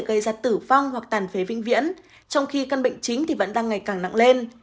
gây ra tử vong hoặc tàn phế vĩnh viễn trong khi căn bệnh chính thì vẫn đang ngày càng nặng lên